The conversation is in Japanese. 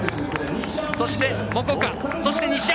そして、モコカ、そして西山。